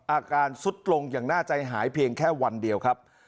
อาการสุดลงอย่างน่าใจหายเพียงแค่วันเดียวครับ